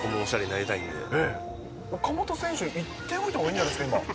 岡本選手に言っておいた方がいいんじゃないですか、今。